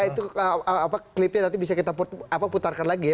itu klipnya nanti bisa kita putarkan lagi ya